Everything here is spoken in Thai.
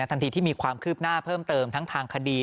ทันทีที่มีความคืบหน้าเพิ่มเติมทั้งทางคดี